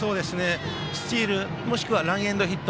スチール、もしくはランエンドヒット。